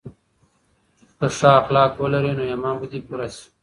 که ښه اخلاق ولرې نو ایمان به دې پوره شي.